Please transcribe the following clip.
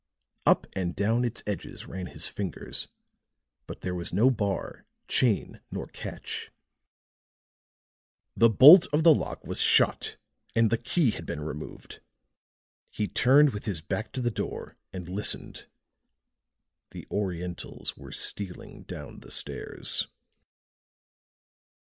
Up and down its edges ran his fingers; but there was no bar, chain nor catch; the bolt of the lock was shot, and the key had been removed. He turned with his back to the door and listened; the Orientals were stealing down the stairs.